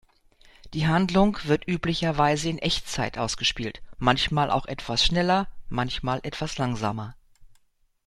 Die Handlung wird üblicherweise in Echtzeit ausgespielt, manchmal auch etwas schneller, manchmal etwas langsamer.